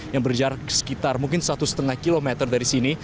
yang berjarak sekitar mungkin satu lima km dari sini